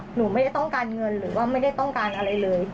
หนูไม่ได้ต้องการเงินหรือว่าไม่ได้ต้องการอะไรเลย